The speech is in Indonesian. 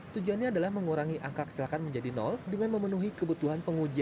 tujuannya adalah mengurangi angka kecelakaan menjadi nol dengan memenuhi kebutuhan pengujian